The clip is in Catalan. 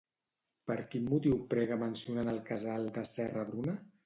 Per quin motiu prega mencionant el casal de Serra- Bruna?